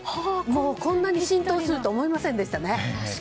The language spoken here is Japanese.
こんなに浸透するとは思いませんでしたね。